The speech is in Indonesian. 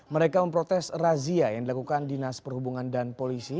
mereka memprotes razia yang dilakukan dinas perhubungan dan polisi